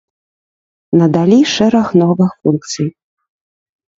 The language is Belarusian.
Надалі шэраг новых функцый.